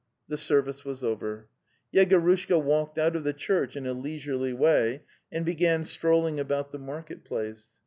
The service was over; Yegorushka walked out of the church in a leisurely way, and began strolling about the market place.